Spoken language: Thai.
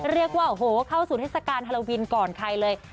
เรียกว่าโอ้โหเข้าสู่เทศกาลฮาโลวินก่อนใครเลย